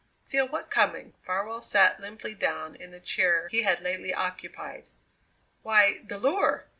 "Feel what coming?" Farwell sat limply down in the chair he had lately occupied. "Why, the lure.